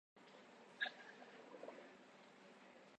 Waʼinam dow ɓaawo maaɗa mi waala.